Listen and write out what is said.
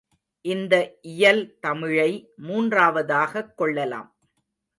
இந்த இயல் தமிழை மூன்றாவதாகக் கொள்ளலாம்.